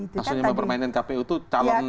maksudnya mempermainkan kpu itu calon wakilnya